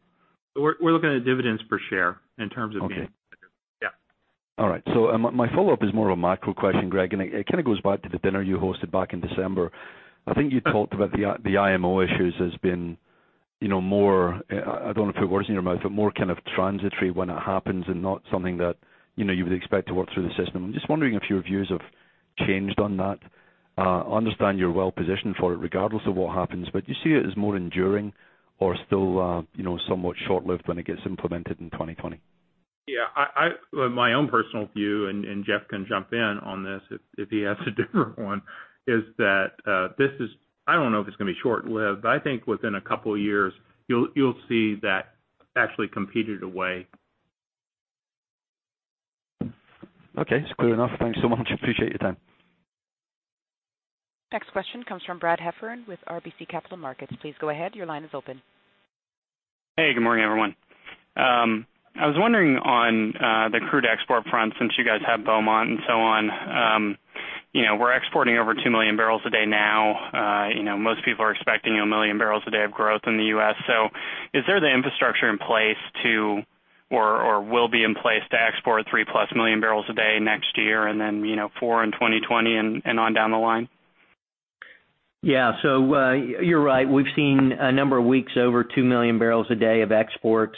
We're looking at dividends per share in terms of. Okay. Yeah. All right. My follow-up is more of a macro question, Greg, and it kind of goes back to the dinner you hosted back in December. I think you talked about the IMO issues as being more, I don't want to put words in your mouth, but more kind of transitory when it happens and not something that you would expect to work through the system. I'm just wondering if your views have changed on that. I understand you're well-positioned for it regardless of what happens, but do you see it as more enduring or still somewhat short-lived when it gets implemented in 2020? Yeah. My own personal view, Jeff can jump in on this if he has a different one, is that this is I don't know if it's going to be short-lived, but I think within a couple of years, you'll see that actually competed away. Okay. That's clear enough. Thanks so much. Appreciate your time. Next question comes from Brad Heffern with RBC Capital Markets. Please go ahead. Your line is open. Hey, good morning, everyone. I was wondering on the crude export front, since you guys have Beaumont and so on. We're exporting over two million barrels a day now. Most people are expecting a million barrels a day of growth in the U.S. Is there the infrastructure in place to, or will be in place to export three-plus million barrels a day next year and then four in 2020 and on down the line? Yeah. You're right. We've seen a number of weeks over two million barrels a day of exports.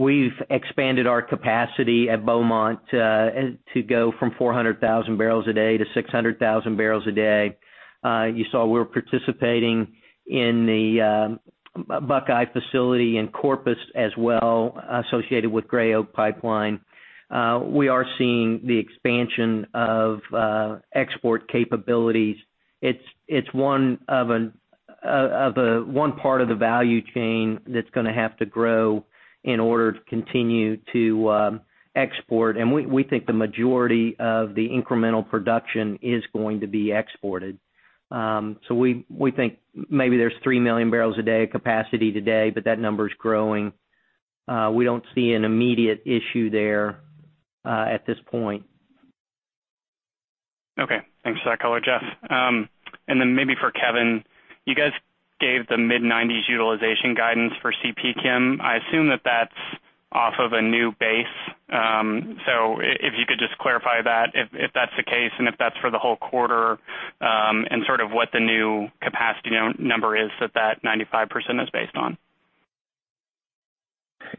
We've expanded our capacity at Beaumont to go from 400,000 barrels a day to 600,000 barrels a day. You saw we were participating in the Buckeye facility in Corpus as well, associated with Gray Oak Pipeline. We are seeing the expansion of export capabilities. It's one part of the value chain that's going to have to grow in order to continue to export. We think the majority of the incremental production is going to be exported. We think maybe there's three million barrels a day of capacity today, but that number is growing. We don't see an immediate issue there at this point. Okay. Thanks for that color, Jeff. Maybe for Kevin. You guys gave the mid-90s utilization guidance for CPChem. I assume that that's off of a new base. If you could just clarify that if that's the case, and if that's for the whole quarter, and sort of what the new capacity number is that 95% is based on.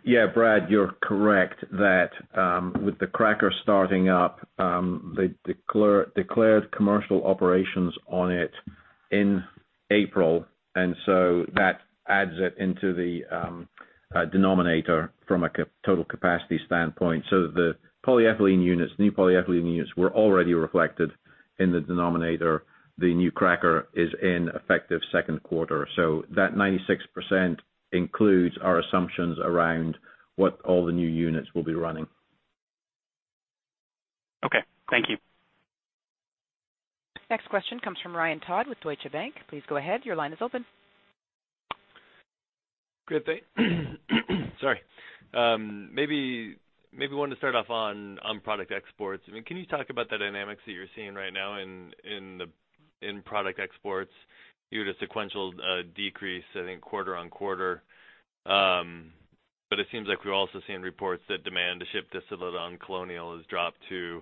Yeah, Brad, you're correct that with the cracker starting up, they declared commercial operations on it in April, that adds it into the denominator from a total capacity standpoint. The new polyethylene units were already reflected in the denominator. The new cracker is in effective second quarter. That 96% includes our assumptions around what all the new units will be running. Okay. Thank you. Next question comes from Ryan Todd with Deutsche Bank. Please go ahead. Your line is open. Good, thanks. Sorry. Maybe we want to start off on product exports. Can you talk about the dynamics that you're seeing right now in product exports? Due to sequential decrease, I think, quarter-over-quarter. It seems like we're also seeing reports that demand to ship distillate on Colonial has dropped to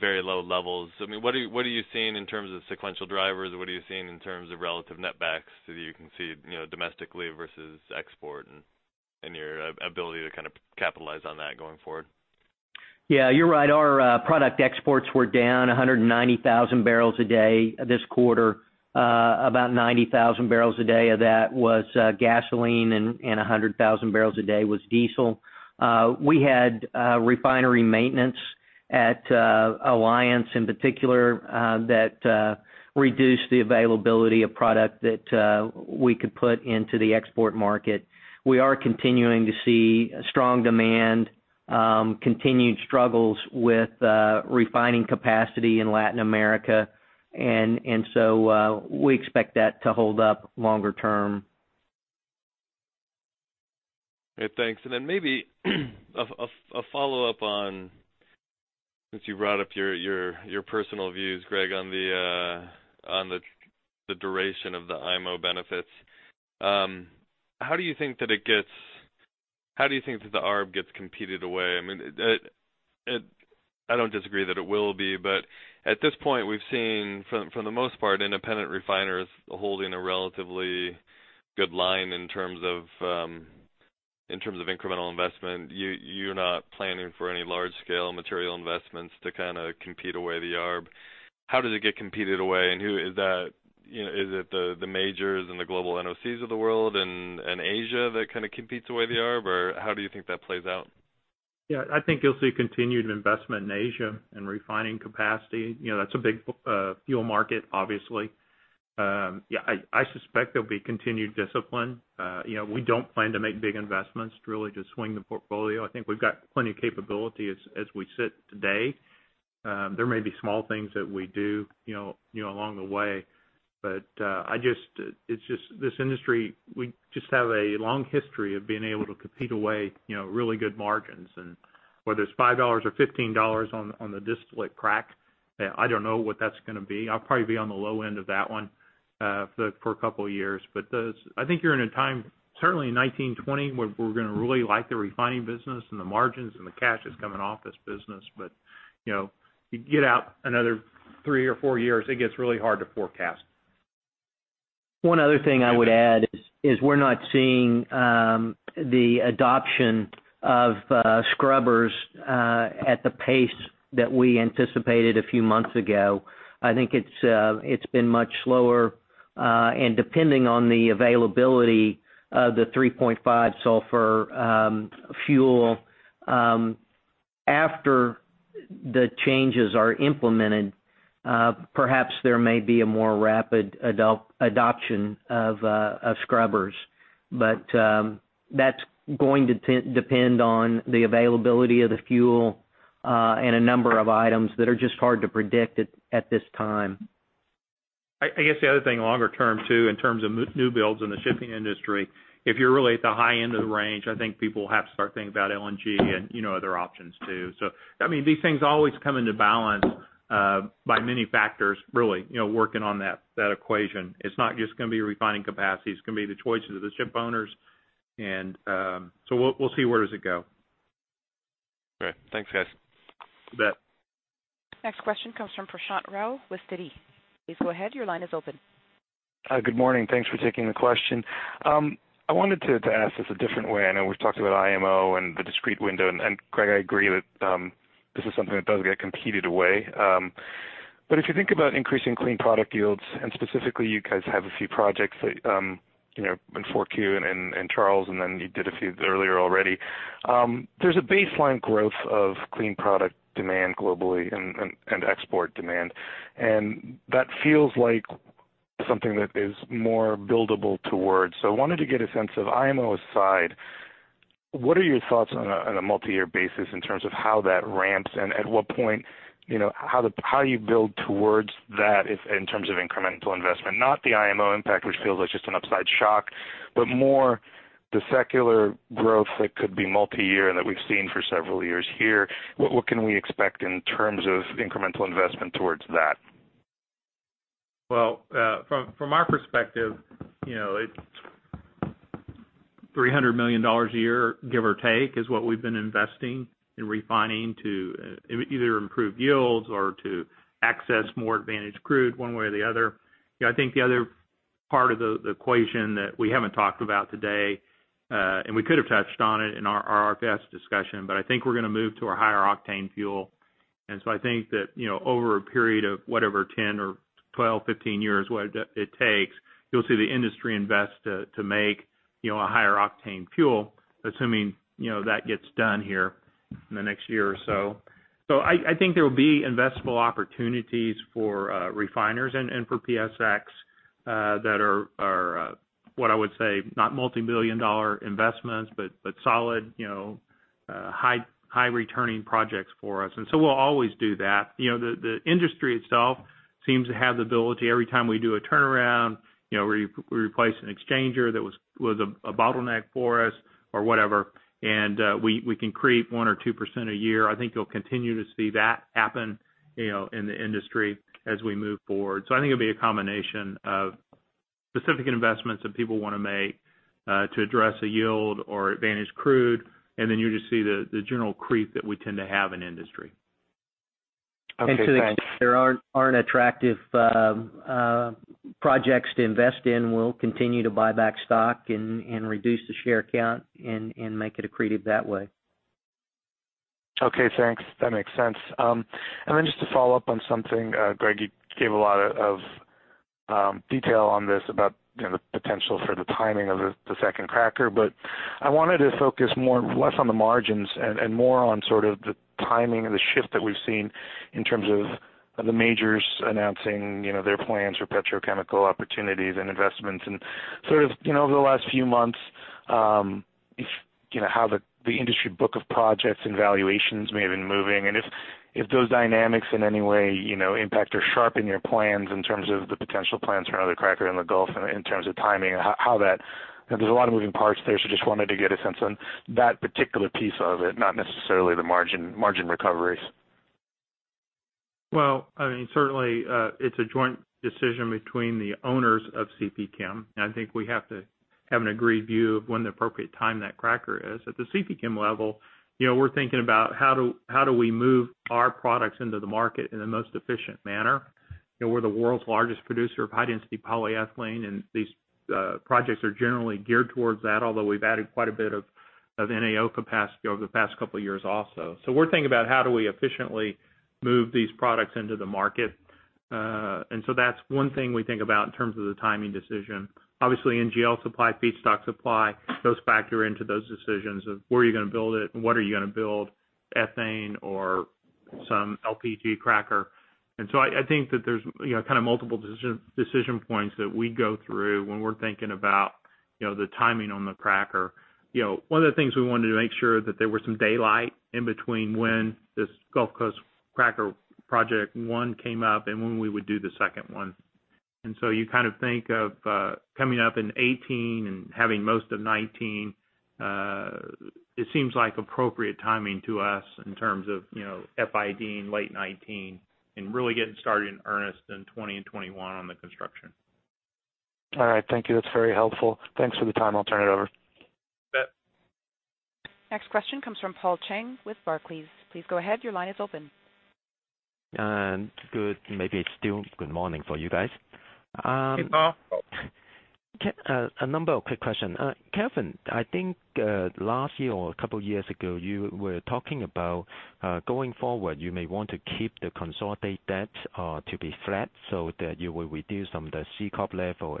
very low levels. What are you seeing in terms of sequential drivers? What are you seeing in terms of relative netbacks that you can see domestically versus export and your ability to kind of capitalize on that going forward? Yeah, you're right. Our product exports were down 190,000 barrels a day this quarter. About 90,000 barrels a day of that was gasoline, and 100,000 barrels a day was diesel. We had refinery maintenance at Alliance in particular that reduced the availability of product that we could put into the export market. We are continuing to see strong demand, continued struggles with refining capacity in Latin America, we expect that to hold up longer term. Okay, thanks. Maybe a follow-up on, since you brought up your personal views, Greg, on the duration of the IMO benefits. How do you think that the ARB gets competed away? I don't disagree that it will be, at this point, we've seen, for the most part, independent refiners holding a relatively good line in terms of incremental investment. You're not planning for any large-scale material investments to kind of compete away the ARB. How does it get competed away? Is it the majors and the global NOCs of the world and Asia that kind of competes away the ARB, or how do you think that plays out? Yeah. I think you'll see continued investment in Asia in refining capacity. That's a big fuel market, obviously. Yeah, I suspect there'll be continued discipline. We don't plan to make big investments really to swing the portfolio. I think we've got plenty of capability as we sit today. There may be small things that we do along the way. This industry, we just have a long history of being able to compete away really good margins. Whether it's $5 or $15 on the distillate crack, I don't know what that's going to be. I'll probably be on the low end of that one for a couple of years. I think you're in a time, certainly in 2019, 2020, where we're going to really like the refining business and the margins and the cash that's coming off this business. You get out another three or four years, it gets really hard to forecast. One other thing I would add is we're not seeing the adoption of scrubbers at the pace that we anticipated a few months ago. I think it's been much slower. Depending on the availability of the 3.5 sulfur fuel after the changes are implemented, perhaps there may be a more rapid adoption of scrubbers. That's going to depend on the availability of the fuel and a number of items that are just hard to predict at this time. I guess the other thing longer term too, in terms of new builds in the shipping industry, if you're really at the high end of the range, I think people have to start thinking about LNG and other options too. These things always come into balance by many factors, really, working on that equation. It's not just going to be refining capacity. It's going to be the choices of the ship owners. We'll see where does it go. Great. Thanks, guys. You bet. Next question comes from Prashant Rao with Citigroup. Please go ahead, your line is open. Good morning. Thanks for taking the question. I wanted to ask this a different way. I know we've talked about IMO and the discrete window, and Greg, I agree that this is something that does get competed away. If you think about increasing clean product yields, and specifically you guys have a few projects in 4Q and Charles, and then you did a few earlier already. There's a baseline growth of clean product demand globally and export demand, and that feels like something that is more buildable towards. I wanted to get a sense of IMO aside, what are your thoughts on a multi-year basis in terms of how that ramps and at what point, how you build towards that in terms of incremental investment? Not the IMO impact, which feels like just an upside shock, but more the secular growth that could be multi-year that we've seen for several years here. What can we expect in terms of incremental investment towards that? Well, from our perspective, $300 million a year, give or take, is what we've been investing in refining to either improve yields or to access more advantaged crude one way or the other. I think the other part of the equation that we haven't talked about today, and we could have touched on it in our RFS discussion, but I think we're going to move to a higher octane fuel. I think that over a period of whatever, 10 or 12, 15 years, whatever it takes, you'll see the industry invest to make a higher octane fuel, assuming that gets done here in the next year or so. I think there will be investable opportunities for refiners and for PSX that are what I would say, not multimillion-dollar investments, but solid high returning projects for us. We'll always do that. The industry itself seems to have the ability every time we do a turnaround, we replace an exchanger that was a bottleneck for us or whatever, and we can create 1% or 2% a year. I think you'll continue to see that happen in the industry as we move forward. I think it'll be a combination of specific investments that people want to make to address a yield or advantaged crude. Then you just see the general creep that we tend to have in the industry. Okay, thanks. To the extent there aren't attractive projects to invest in, we'll continue to buy back stock and reduce the share count and make it accretive that way. Okay, thanks. That makes sense. Just to follow up on something, Greg, you gave a lot of detail on this about the potential for the timing of the second cracker. I wanted to focus less on the margins and more on sort of the timing and the shift that we've seen in terms of the majors announcing their plans for petrochemical opportunities and investments and sort of over the last few months, how the industry book of projects and valuations may have been moving, and if those dynamics in any way impact or sharpen your plans in terms of the potential plans for another cracker in the Gulf in terms of timing and there's a lot of moving parts there, just wanted to get a sense on that particular piece of it, not necessarily the margin recoveries. Well, certainly, it's a joint decision between the owners of CPChem. I think we have to have an agreed view of when the appropriate time that cracker is. At the CPChem level, we're thinking about how do we move our products into the market in the most efficient manner? We're the world's largest producer of high-density polyethylene, and these projects are generally geared towards that, although we've added quite a bit of NAO capacity over the past couple of years also. We're thinking about how do we efficiently move these products into the market. That's one thing we think about in terms of the timing decision. Obviously, NGL supply, feedstock supply, those factor into those decisions of where are you going to build it and what are you going to build, ethane or some LPG cracker? I think that there's kind of multiple decision points that we go through when we're thinking about the timing on the cracker. One of the things we wanted to make sure that there were some daylight in between when this Gulf Coast cracker project one came up and when we would do the second one. You kind of think of coming up in 2018 and having most of 2019. It seems like appropriate timing to us in terms of FID in late 2019 and really getting started in earnest in 2020 and 2021 on the construction. All right. Thank you. That's very helpful. Thanks for the time. I'll turn it over. You bet. Next question comes from Paul Cheng with Barclays. Please go ahead. Your line is open. Good. Maybe it's still good morning for you guys. Hey, Paul. A number of quick question. Kevin, I think, last year or a couple of years ago, you were talking about, going forward, you may want to keep the consolidated debt to be flat so that you will reduce some of the C corp level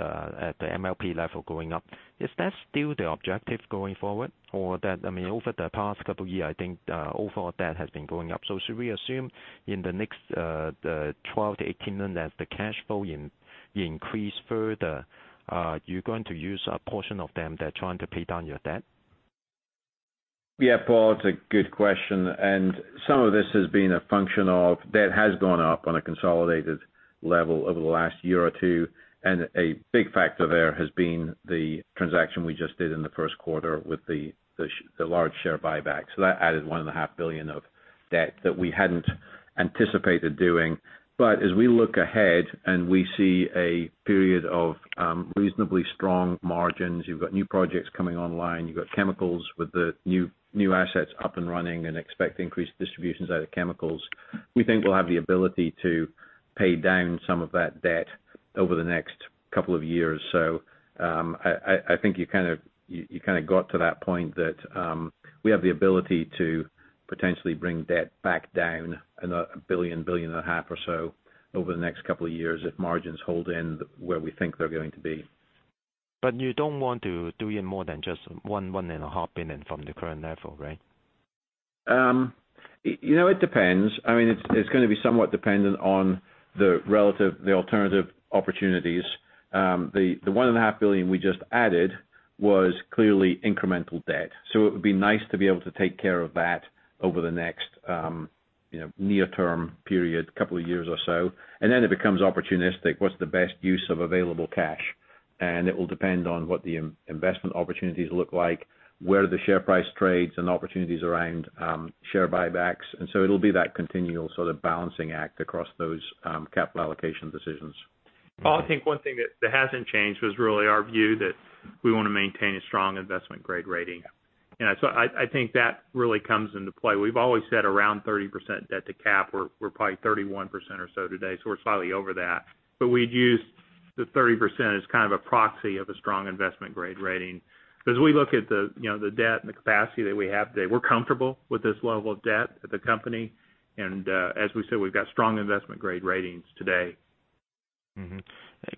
as at the MLP level going up. Is that still the objective going forward? Over the past couple of year, I think, overall debt has been going up. Should we assume in the next 12 to 18 months as the cash flow increase further, you're going to use a portion of them that trying to pay down your debt? Yeah, Paul, it's a good question. Some of this has been a function of debt has gone up on a consolidated level over the last year or two, and a big factor there has been the transaction we just did in the first quarter with the large share buyback. That added $1.5 billion of debt that we hadn't anticipated doing. As we look ahead and we see a period of reasonably strong margins, you've got new projects coming online, you've got chemicals with the new assets up and running and expect increased distributions out of chemicals. We think we'll have the ability to pay down some of that debt over the next couple of years. I think you kind of got to that point that we have the ability to potentially bring debt back down $1 billion-$1.5 billion or so over the next couple of years if margins hold in where we think they're going to be. You don't want to do any more than just $1 billion-$1.5 billion from the current level, right? It depends. It's going to be somewhat dependent on the alternative opportunities. The $1.5 billion we just added was clearly incremental debt. It would be nice to be able to take care of that over the next near term period, couple of years or so. Then it becomes opportunistic. What's the best use of available cash? It will depend on what the investment opportunities look like, where the share price trades and opportunities around share buybacks. It'll be that continual sort of balancing act across those capital allocation decisions. Paul, I think one thing that hasn't changed was really our view that we want to maintain a strong investment-grade rating. I think that really comes into play. We've always said around 30% debt to cap. We're probably 31% or so today, so we're slightly over that. We'd use the 30% as kind of a proxy of a strong investment-grade rating. Because we look at the debt and the capacity that we have today. We're comfortable with this level of debt at the company, and as we said, we've got strong investment-grade ratings today.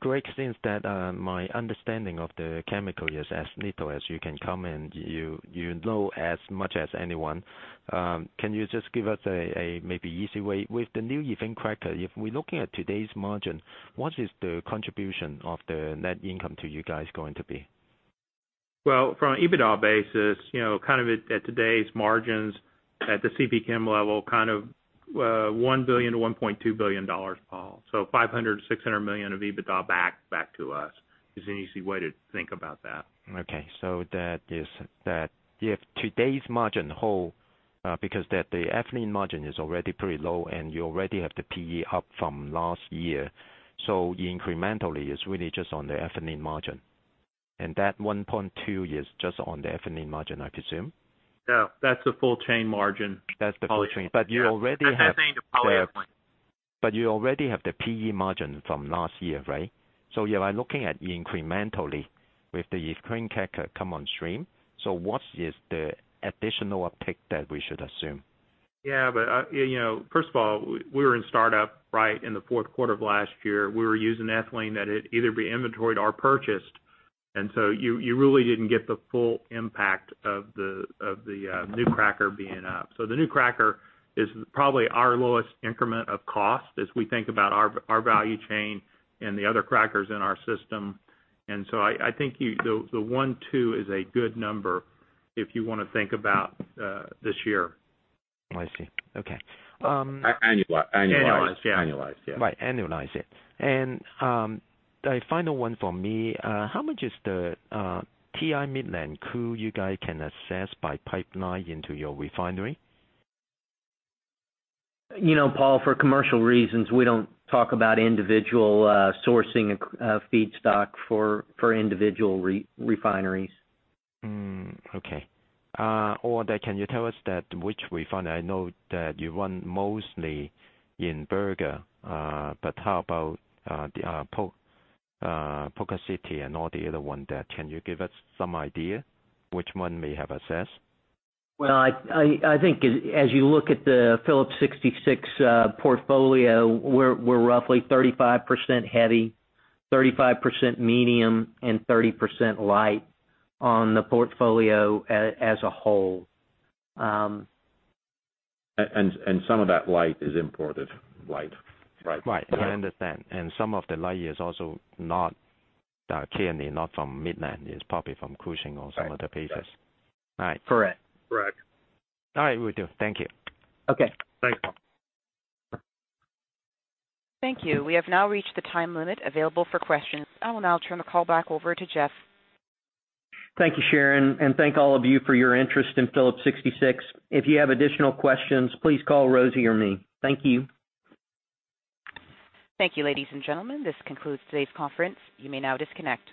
Greg, since that my understanding of the chemical is as little as you can come, and you know as much as anyone, can you just give us a maybe easy way with the new ethylene cracker, if we're looking at today's margin, what is the contribution of the net income to you guys going to be? Well, from an EBITDA basis, kind of at today's margins at the CPChem level, kind of $1 billion-$1.2 billion, Paul. $500 million-$600 million of EBITDA back to us is an easy way to think about that. Okay. That is that if today's margin hold, because the ethylene margin is already pretty low, and you already have the PE up from last year. Incrementally, it's really just on the ethylene margin. That $1.2 billion is just on the ethylene margin, I presume? No. That's the full chain margin. That's the full chain. You already have- That's ethylene to polyethylene. You already have the PE margin from last year, right? You are looking at incrementally with the ethylene cracker come on stream. What is the additional uptick that we should assume? First of all, we were in startup right in the fourth quarter of last year. We were using ethylene that either be inventoried or purchased. You really didn't get the full impact of the new cracker being up. The new cracker is probably our lowest increment of cost as we think about our value chain and the other crackers in our system. I think the $1.2 billion is a good number if you want to think about this year. I see. Okay. Annualized. Annualized, yeah. Annualized, yeah. Right. Annualized, yeah. The final one for me, how much is the WTI Midland crude you guys can access by pipeline into your refinery? Paul, for commercial reasons, we don't talk about individual sourcing of feedstock for individual refineries. Okay. Can you tell us that which refinery, I know that you run mostly in Borger, but how about the Ponca City and all the other one there? Can you give us some idea which one may have access? Well, I think as you look at the Phillips 66 portfolio, we're roughly 35% heavy, 35% medium, and 30% light on the portfolio as a whole. Some of that light is imported light. Right. I understand. Some of the light is also not clearly not from Midland, is probably from Cushing or some other places. Right. All right. Correct. Correct. All right, will do. Thank you. Okay. Thanks, Paul. Thank you. We have now reached the time limit available for questions. I will now turn the call back over to Jeff. Thank you, Sharon, and thank all of you for your interest in Phillips 66. If you have additional questions, please call Rosy or me. Thank you. Thank you, ladies and gentlemen. This concludes today's conference. You may now disconnect.